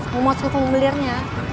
mau mau tukang belirnya